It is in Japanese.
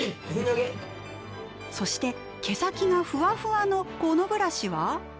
そして毛先がフワフワのこのブラシは。